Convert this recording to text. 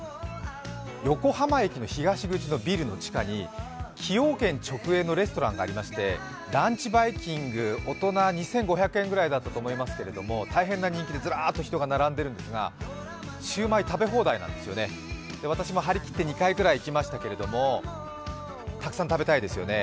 横浜駅の東口のビルの地下に崎陽軒直営のレストランがありましてランチバイキング、大人２５００円ぐらいだったと思いますけど大変な人気でずらーっと人が並んでいるんですが、シウマイ食べ放題なんですよね、私も張り切って２回ぐらい行きましたけれども、たくさん食べたいですよね。